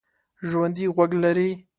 ژوندي غوږ لري